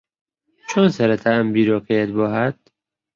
چۆن سەرەتا ئەم بیرۆکەیەت بۆ ھات؟